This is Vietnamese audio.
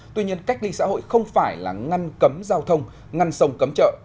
tuy nhiên cách ly xã hội không phải là ngăn cấm giao thông ngăn sông cấm chợ